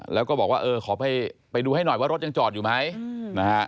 แล้วก็บอกว่าเออขอไปดูให้หน่อยว่ารถยังจอดอยู่ไหมนะฮะ